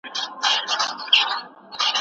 تاریخ یوازې د حقایقو په توګه ولولئ.